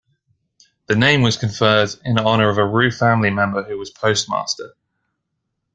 The name was conferred in honour of a Roo family member who was postmaster.